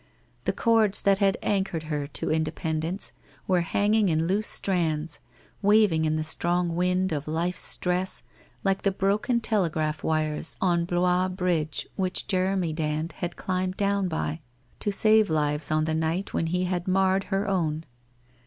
The cords that had anchored her to independence were hanging in loose strands, waving in the strong wind of life's stress, like the broken telegraph wires on Blois Bridge which Jeremy Dand had climbed down by, to save lives on the night when he had marred her own.